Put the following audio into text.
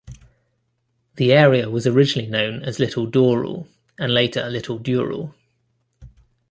The area was originally known as Little Dooral and later Little Dural.